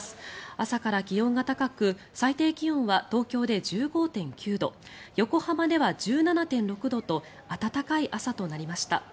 朝から気温が高く最低気温は東京で１５．９度横浜では１７．６度と暖かい朝となりました。